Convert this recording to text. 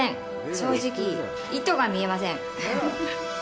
正直、糸が見えません。